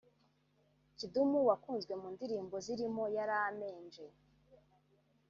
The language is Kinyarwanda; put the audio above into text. Kidum wakunzwe mu ndirimbo zirimo ‘Yaramenje’